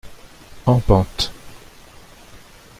En pente.